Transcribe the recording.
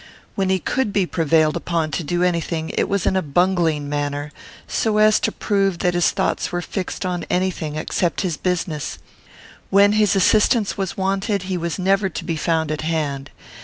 When he could be prevailed upon to do any thing it was in a bungling manner, and so as to prove that his thoughts were fixed on any thing except his business. When his assistance was wanted he was never to be found at hand.